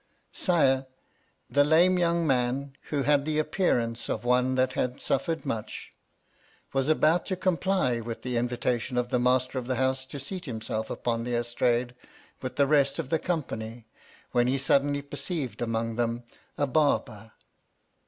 Sire, the lame young man, who had the appearance of one that had suffered much, was about to comply with the invitation of the master of the house to seat himself upon the estrade with the rest of the company, when he suddenly perceived among them, a Barber.